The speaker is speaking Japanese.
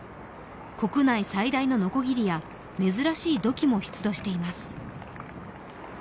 国内最大のノコギリや珍しい土器も出土しています。